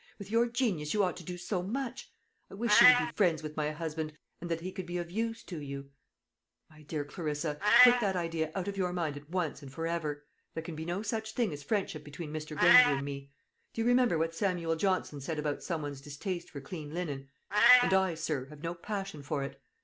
With your genius you ought to do so much. I wish you would be friends with my husband, and that he could be of use to you." "My dear Clarissa, put that idea out of your mind at once and for ever. There can be no such thing as friendship between Mr. Granger and me. Do you remember what Samuel Johnson said about some one's distaste for clean linen 'And I, sir, have no passion for it!'